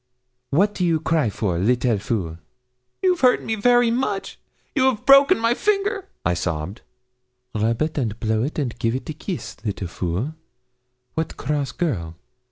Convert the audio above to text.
What do you cry for, little fool?' 'You've hurt me very much you have broken my finger,' I sobbed. 'Rub it and blow it and give it a kiss, little fool! What cross girl!